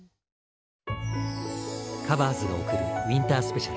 「ＴｈｅＣｏｖｅｒｓ」が贈る「ウインタースペシャル」。